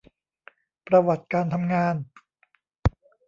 ประวัติการทำงาน